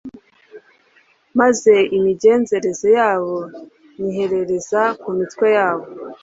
maze imigenzereze yabo nyiherereza ku mitwe yabo